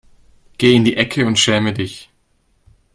Geh in die Ecke und schäme dich.